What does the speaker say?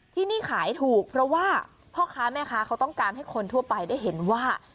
ที่นี่ขายถูกเพราะว่าพ่อค้าแม่ค้าเขาต้องการให้คนทั่วไปได้เห็นว่า